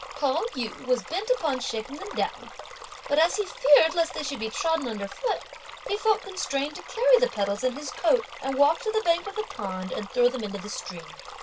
Pao yü was bent upon shaking them down; but as he feared lest they should be trodden under foot, he felt constrained to carry the petals in his coat and walk to the bank of the pond and throw them into the stream.